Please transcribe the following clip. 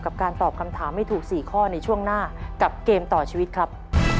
การตอบคำถามให้ถูก๔ข้อในช่วงหน้ากับเกมต่อชีวิตครับ